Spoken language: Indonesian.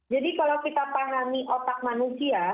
jadi kalau kita pahami otak manusia